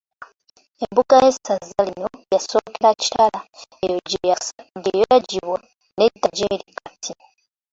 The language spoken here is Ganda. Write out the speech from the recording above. Embuga y’Essaza lino yasookera Kitala eyo gye yaggibwa n’edda gy’eri kati.